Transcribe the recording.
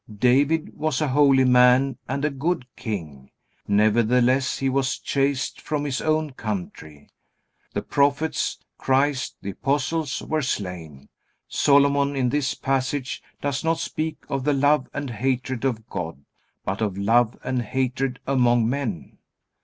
David was a holy man and a good king. Nevertheless he was chased from his own country. The prophets, Christ, the apostles, were slain. Solomon in this passage does not speak of the love and hatred of God, but of love and hatred among men.